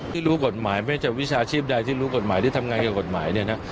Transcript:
ที่รู้กฎหมายไม่จะวิชาชีพใดที่รู้กฎหมายหรือทำงานกับกฎหมายเนี่ยนะ